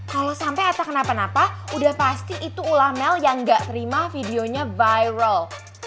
kalo sampe ata kenapa napa udah pasti itu ulah mel yang gak terima videonya viral